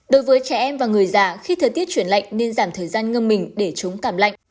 đối với trẻ em và người già khi thời tiết chuyển lạnh nên giảm thời gian ngâm mình để chúng cảm lạnh